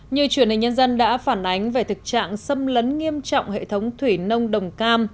như truyền hình nhân dân đã phản ánh về thực trạng xâm lấn nghiêm trọng hệ thống thủy nông đồng cam